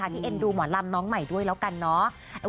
เอ็นดูหมอลำน้องใหม่ด้วยแล้วกันเนาะ